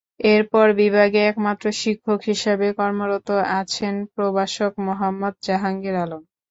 এরপর বিভাগে একমাত্র শিক্ষক হিসেবে কর্মরত আছেন প্রভাষক মোহাম্মদ জাহাঙ্গীর আলম।